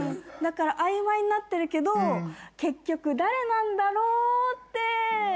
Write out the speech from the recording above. だから曖昧になってるけど結局誰なんだろう？って。